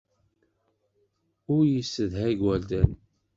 Ur yessedha igerdan.